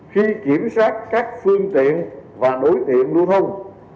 khi kiểm soát các phương tiện và đối tượng lưu thông